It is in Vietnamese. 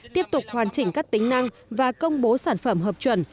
tiếp tục hoàn chỉnh các tính năng và công bố sản phẩm hợp chuẩn